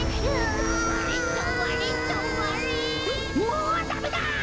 もうダメだ！